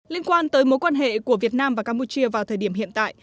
liên quan tới mối quan hệ của việt nam và campuchia vào thời điểm hiện tại